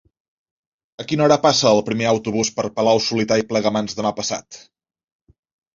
A quina hora passa el primer autobús per Palau-solità i Plegamans demà passat?